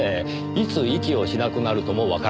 いつ息をしなくなるともわからない。